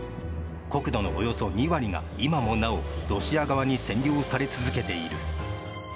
国土のおよそ２割が今もなおロシア側に占領され続けている。